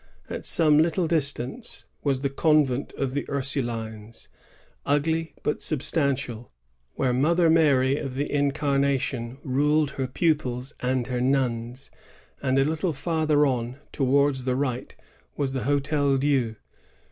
At some little distance was the convent of the Ursulines, ugly but substantial, ^ where Mother Mary of the Incarnation ruled her pupils and her nuns ; and a little farther on, towards the right, was the Hdtel Dieu.